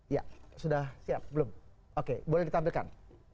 ya sudah siap belum oke boleh ditampilkan